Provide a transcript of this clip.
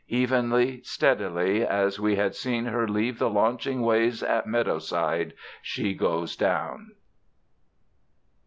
Evenly, steadily, as we had seen her leave the launching ways at Meadowside, she goes down.